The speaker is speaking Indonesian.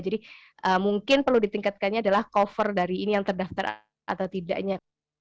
jadi mungkin perlu ditingkatkannya adalah cover dari ini yang terdaftar atau tidaknya